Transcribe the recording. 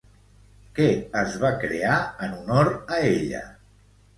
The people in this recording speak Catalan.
Què es va crear en honor a ella?